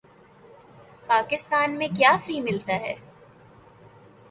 پاکستان میں کیا فری ملتا ہے